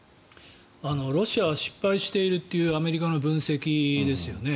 ロシアは失敗しているというアメリカの分析ですよね。